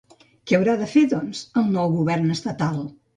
Què haurà de fer, doncs, el nou govern estatal?